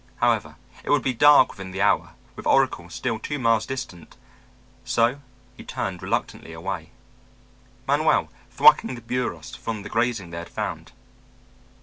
However, it would be dark within the hour, with Oracle still two miles distant, so he turned reluctantly away, Manuel thwacking the burros from the grazing they had found.